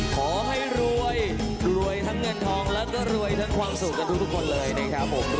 ขอให้รวยรวยทั้งเงินทองแล้วก็รวยทั้งความสุขกับทุกคนเลยนะครับผม